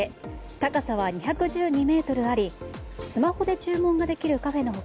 高さは２１２ｍありスマホで注文ができるカフェの他